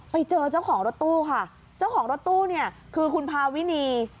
ไปเจอเจ้าของรถตู้ค่ะเจ้าของรถตู้เนี่ยคือคุณพาวินี